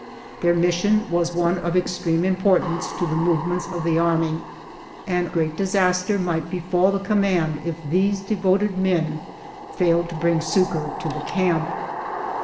Their mission was one of extreme im portance to the movements of the army, and great disaster might befall the command if these devoted men failed to bring succor to the camp.